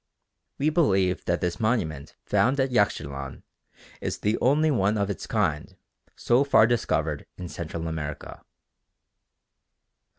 We believe that this monument found at Yaxchilan is the only one of its kind so far discovered in Central America.